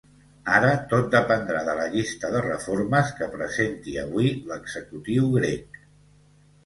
Ara tot dependrà de la llista de reformes que presenti avui l’executiu grec.